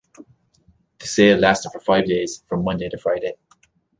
The sale lasted for five days, from Monday to Friday.